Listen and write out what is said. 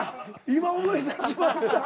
今思い出しました。